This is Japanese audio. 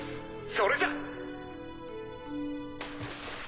それじゃ！